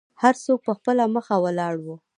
هر څوک په خپله مخه ولاړو.